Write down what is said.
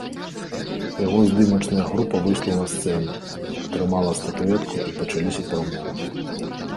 Яго здымачная група выйшла на сцэну, атрымала статуэтку і пачаліся прамовы.